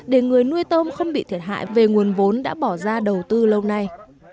để người nuôi tôm không bị thiệt hại về nguồn vốn đã bỏ ra đầu tư lâu nay